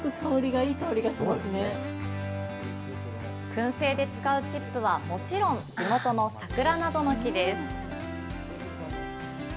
くん製で使うチップはもちろん地元のサクラなどの木です。